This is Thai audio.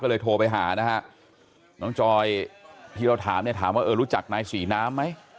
ก็เลยโทรไปหานะฮะน้องจอยที่เราถามเนี่ยถามว่าเออรู้จักนายศรีน้ำไหม